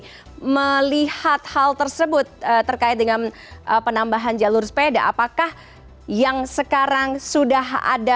tapi melihat hal tersebut terkait dengan penambahan jalur sepeda apakah yang sekarang sudah ada